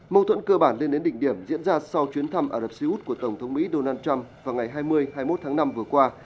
mâu thuẫn cơ bản lên đến đỉnh điểm diễn ra sau chuyến thăm ả rập xê út của tổng thống mỹ donald trump vào ngày hai mươi hai mươi một tháng năm vừa qua